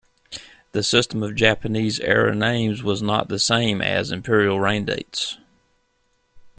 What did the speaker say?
The system of Japanese era names was not the same as Imperial reign dates.